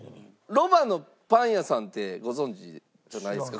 ロバのパン屋さんってご存じじゃないですか？